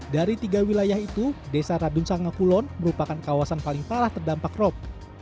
dari tiga wilayah itu desa radun sangakulon merupakan kawasan paling parah terdampak rop